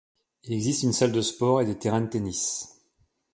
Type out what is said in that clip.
Il existe une salle de sport et des terrains de tennis.